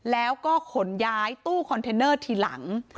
แล้วก็ขนย้ายตู้คอนเทนเนอร์ทีหลัง